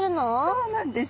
そうなんです。